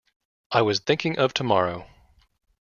I was thinking of tomorrow.